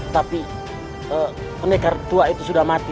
tapi mereka tua itu sudah mati